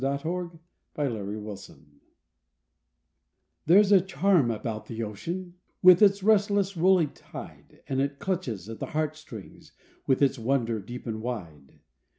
40 LIFE WAVES OLD OCEAN There's a charm about the ocean, With its restless, rolling tide, And it clutches at the heart strings, With its wonder deep and wide.